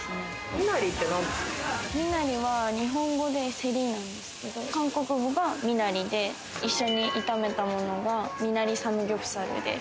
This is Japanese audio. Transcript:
ミナリって日本語でセリなんですけど、韓国語がミナリで、一緒に炒めたものがミナリサムギョプサルです。